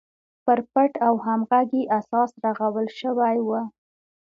پر پټ او همغږي اساس رغول شوې وه.